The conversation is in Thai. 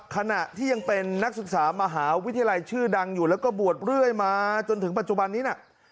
ขณะที่ยังเป็นนักศึกษามหาวิทยาลัยชื่อดังอยู่แล้วก็บวชเรื่อยมาจนถึงปัจจุบันนี้น่ะ